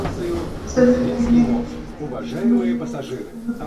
ছবির কাহিনিতে দেখা যাবে, আমার মধ্যে কোনো রকম প্রেম-প্রীতি কাজ করে না।